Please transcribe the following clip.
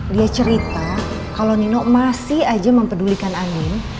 dia cerita kalau nino masih aja mempedulikan angin